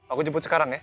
aku jemput sekarang ya